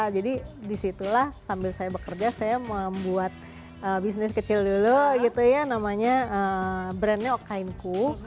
jadi disitulah sambil saya bekerja saya membuat bisnis kecil dulu gitu ya namanya brandnya okainku